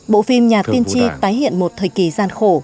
bộ phim nhà tiên tri tái hiện một thời kỳ gian khổ